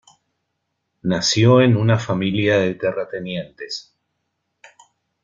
Nació en una familia de terratenientes.